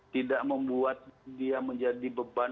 tidak membuat dia menjadi beban